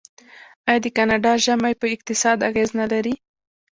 آیا د کاناډا ژمی په اقتصاد اغیز نلري؟